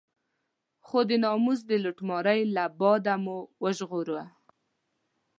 خو د ناموس د لوټمارۍ له دبا مو وژغوره.